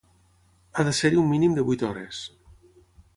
Ha de ser-hi un mínim de vuit hores.